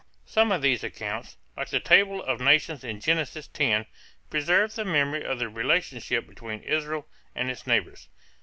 Some of these accounts, like the table of nations in Genesis 10, preserve the memory of the relationship between Israel and its neighbors.